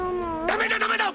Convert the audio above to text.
ダメだダメだ！